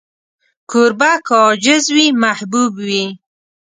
کوربه که عاجز وي، محبوب وي.